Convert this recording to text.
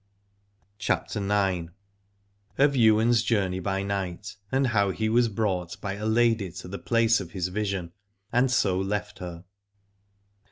49 CHAPTER IX. OF ywain's journey by night, and how he WAS BROUGHT BY A LADY TO THE PLACE OF HIS VISION, AND SO LEFT HER.